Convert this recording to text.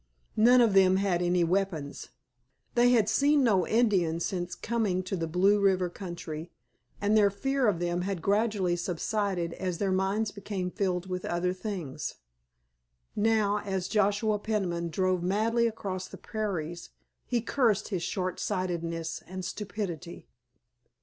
None of them had any weapons. They had seen no Indians since coming to the Blue River country, and their fear of them had gradually subsided as their minds became filled with other things. Now as Joshua Peniman drove madly across the prairies he cursed his short sightedness and stupidity.